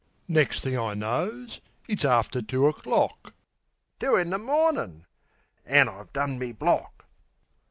Nex' thing I knows it's after two o'clock Two in the mornin'! An' I've done me block!